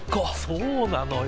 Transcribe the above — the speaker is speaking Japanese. そうなのよ。